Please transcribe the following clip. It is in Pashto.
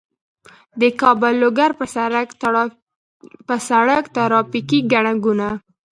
د کابل- لوګر په سړک ترافیکي ګڼه ګوڼه